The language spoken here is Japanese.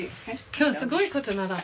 今日すごいこと習った。